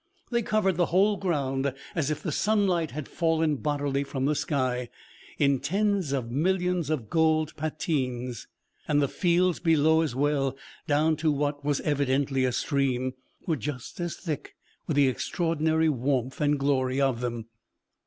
They covered the whole ground, as if the sunlight had fallen bodily from the sky, in tens of millions of gold patines; and the fields below as well, down to what was evidently a stream, were just as thick with the extraordinary warmth and glory of them.